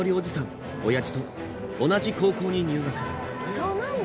そうなんだ。